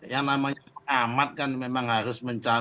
yang namanya pengamat kan memang harus mencari